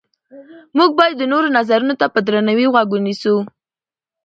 موږ باید د نورو نظرونو ته په درناوي غوږ ونیسو